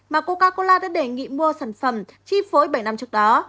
mà coca cola đã đề nghị mua sản phẩm chi phối bảy năm trước đó